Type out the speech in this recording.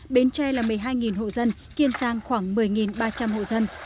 bến tre là một mươi hai hộ dân kiên giang khoảng một mươi ba trăm linh hộ dân